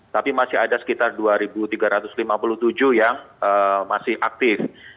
tapi masih ada sekitar dua tiga ratus lima puluh tujuh yang masih aktif